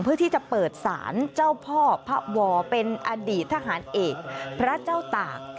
เพื่อที่จะเปิดสารเจ้าพ่อพระวอเป็นอดีตทหารเอกพระเจ้าตาก